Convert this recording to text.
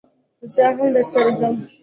زه هم درسره ځم